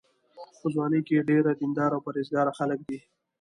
په ځوانۍ کې ډېر دینداره او پرهېزګاره هلک دی.